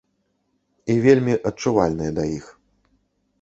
І вельмі адчувальныя да іх.